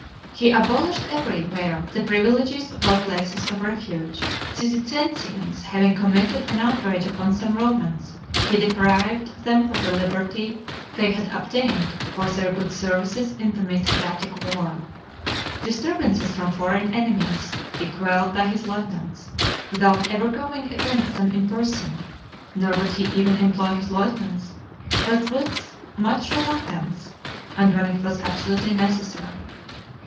He abolished every where the privileges of all places of refuge. The Cyzicenians having committed an outrage upon some Romans, he deprived them of the liberty they had obtained for their good services in the Mithridatic war. Disturbances from foreign enemies he quelled by his lieutenants, without ever going against them in person; nor would he even employ his lieutenants, but with much reluctance, and when it was absolutely necessary.